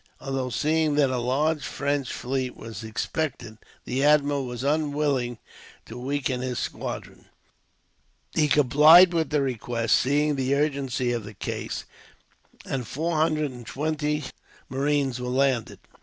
Although, seeing that a large French fleet was expected, the admiral was unwilling to weaken his squadron; he complied with the request, seeing the urgency of the case, and four hundred and twenty marines were landed.